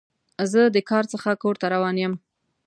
زه د کار څخه کور ته روان یم.